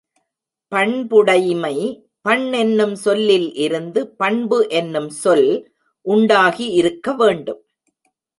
பண்புடைமை பண் என்னும் சொல்லில் இருந்து பண்பு என்னும் சொல் உண்டாகி இருக்க வேண்டும்.